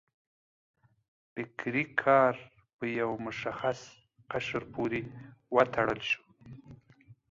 فکري کار په یو مشخص قشر پورې وتړل شو.